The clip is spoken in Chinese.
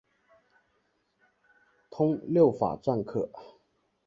通六法篆刻。